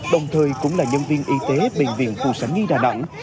đồng thời cũng là nhân viên y tế bệnh viện phù sánh nhi đà nẵng